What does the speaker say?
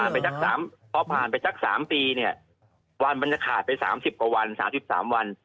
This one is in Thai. พอผ่านไปสัก๓ปีเนี่ยวันมันจะขาดไป๓๐กว่าวัน๓๓วัน